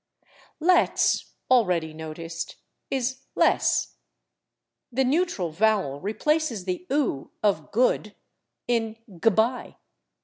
/Let's/, already noticed, is /le' 's/. The neutral vowel replaces the /oo/ of /good/ in /g'by